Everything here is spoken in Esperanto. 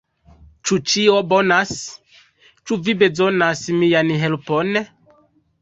Ĉu ĉio bonas? Ĉu vi bezonas mian helpon?